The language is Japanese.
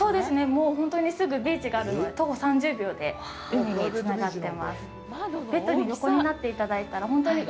もう本当にすぐビーチがあるので、徒歩３０秒で海につながってます。